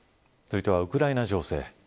続いてウクライナ情勢。